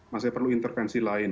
masih perlu intervensi lain